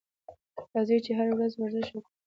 راځئ چې هره ورځ ورزش وکړو.